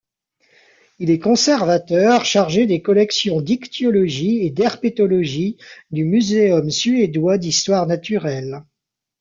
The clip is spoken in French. Il est conservateur chargé des collections d’ichtyologie et d’herpétologie du Muséum suédois d'histoire naturelle.